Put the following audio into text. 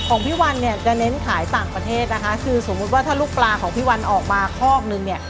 ของพี่วันเนี่ยจะเน้นขายต่างประเทศนะคะคือสมมุติว่าถ้าลูกปลาของพี่วันออกมาคอกนึงเนี่ย